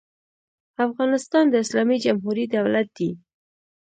افغانستان د اسلامي جمهوري دولت دی.